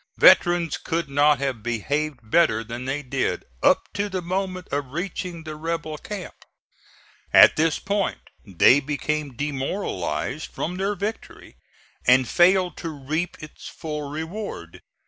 Veterans could not have behaved better than they did up to the moment of reaching the rebel camp. At this point they became demoralized from their victory and failed to reap its full reward.